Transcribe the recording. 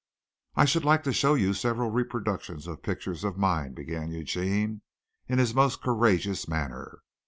"I should like to show you several reproductions of pictures of mine," began Eugene in his most courageous manner.